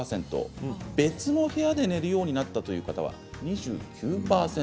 別の部屋で寝るようになったという方が２９％です。